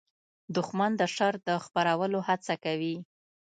دښمن د شر د خپرولو هڅه کوي